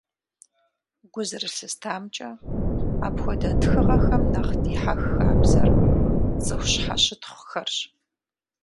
Гу зэрылъыстамкӀэ, апхуэдэ тхыгъэхэм нэхъ дихьэх хабзэр цӀыху щхьэщытхъухэрщ.